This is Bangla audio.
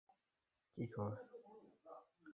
ডানা ঝাপটাও, জনি।